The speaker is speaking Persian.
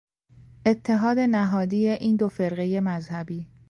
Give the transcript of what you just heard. اتحاد نهادی این دو فرقهی مذهبی